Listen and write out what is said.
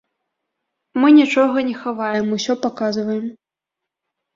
Мы нічога не хаваем, усё паказваем.